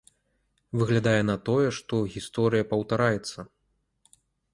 Выглядае на тое, што гісторыя паўтараецца.